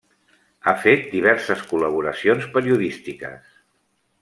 Ha fet diverses col·laboracions periodístiques.